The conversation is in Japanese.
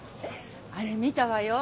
あれ見たわよ。